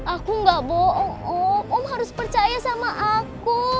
aku gak bohong om harus percaya sama aku